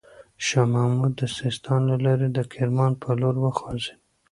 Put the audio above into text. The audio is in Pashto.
شاه محمود د سیستان له لاري د کرمان پر لور وخوځېد.